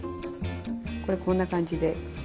これこんな感じで。